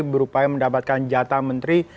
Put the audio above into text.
berupaya mendapatkan jatah menteri